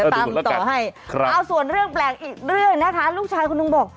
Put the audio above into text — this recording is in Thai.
ตามต่อให้ครับเอาส่วนเรื่องแปลกอีกเรื่องนะคะลูกชายคนหนึ่งบอก